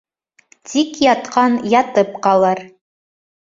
Тик ятҡан ятып ҡалыр